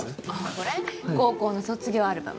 高校の卒業アルバム。